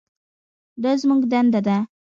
دا زموږ دنده ده.